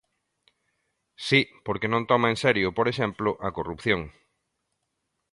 Si, porque non toma en serio, por exemplo, a corrupción.